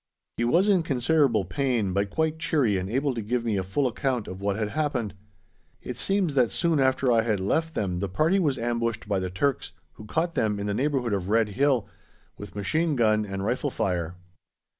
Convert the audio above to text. He was in considerable pain, but quite cheery and able to give me a full account of what had happened. It seems that soon after I had left them the party was ambushed by the Turks, who caught them, in the neighbourhood of Red Hill, with machine gun and rifle fire.